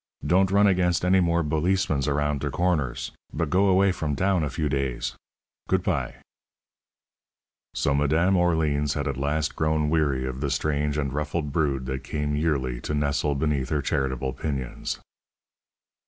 Don't run against any more bolicemans aroundt der corners, but go away from town a few tays. Good pye." So Madame Orleans had at last grown weary of the strange and ruffled brood that came yearly to nestle beneath her charitable pinions.